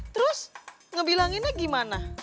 terus ngebilanginnya gimana